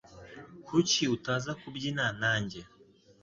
Kuki utaza kubyina nanjye?